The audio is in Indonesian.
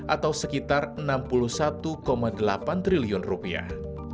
atau sekitar enam puluh satu delapan triliun rupiah